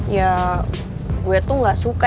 ya gue tuh gak suka